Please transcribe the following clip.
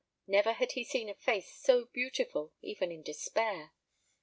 Never had he seen a face so beautiful, even in despair.